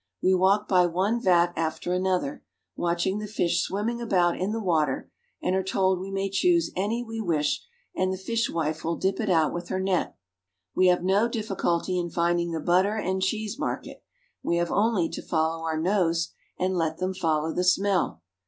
We walk by one vat after another, watching the fish swimming about in the water, and are told we may choose any we wish and the fishwife will dip it out with her net. We have no difficulty in finding the butter and cheese market! We have only to follow our noses and let them follow the smell.